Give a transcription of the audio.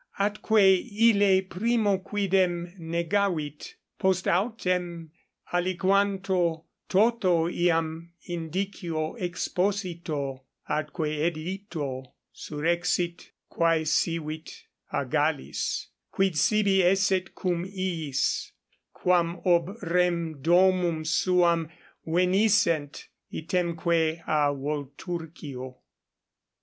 Atque ille primo quidem negavit; post autem aliquanto, toto iam indicio exposito atque edito, surrexit, quaesivit a Gallis, quid sibi esset cum iis, quam ob rem domum suam venissent, itemque a Volturcio.